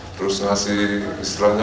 terus ngasih istilahnya